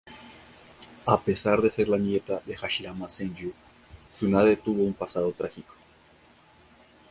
A pesar de ser la nieta de Hashirama Senju, Tsunade tuvo un pasado trágico.